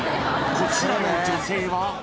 こちらの女性は。